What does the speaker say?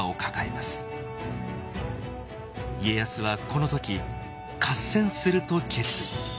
家康はこの時合戦すると決意。